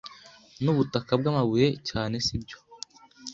Nubutaka bwamabuye cyane, sibyo?